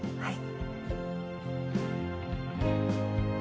はい。